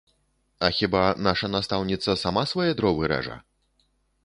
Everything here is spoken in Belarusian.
А хіба наша настаўніца сама свае дровы рэжа?